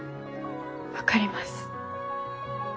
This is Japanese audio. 分かります。